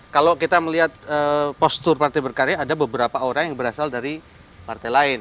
kalau kita melihat postur partai berkarya ada beberapa orang yang berasal dari partai lain